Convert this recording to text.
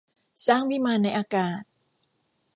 สร้างวิมานในอากาศ